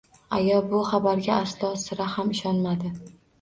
Aya bu xabarga aslo, sira ham ishonmadi.